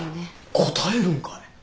答えるんかい。